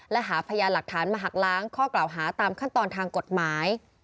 และหาพยานหลักฐานมาหักล้างข้อกล่าวหาตามขั้นตอนทางกฎหมาย